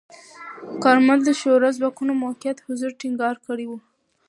کارمل د شوروي ځواکونو موقت حضور ټینګار کړی و.